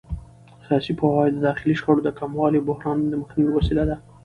سیاسي پوهاوی د داخلي شخړو د کمولو او بحرانونو د مخنیوي وسیله ده